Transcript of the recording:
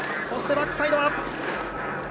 そしてバックサイド。